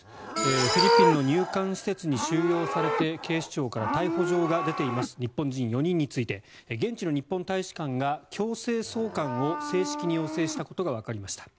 フィリピンの入管施設に収容されて警視庁から逮捕状が出ています日本人４人について現地の日本大使館が強制送還を正式に要請したことがわかりました。